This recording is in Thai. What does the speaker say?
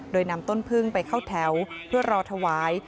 โดยนำต้นพึ่งไปเข้าแถวเพื่อรอถวาย